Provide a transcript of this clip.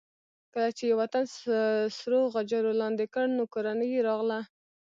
کله چې یې وطن سرو غجرو لاندې کړ نو کورنۍ یې راغله.